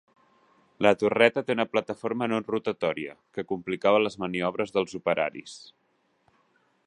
La torreta té una plataforma no rotatòria, que complicava les maniobres dels operaris.